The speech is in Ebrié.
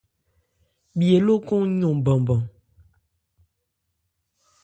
Bhye lókɔn yɔn banban.